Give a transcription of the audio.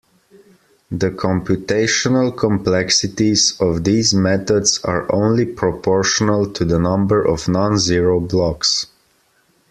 The computational complexities of these methods are only proportional to the number of non-zero blocks.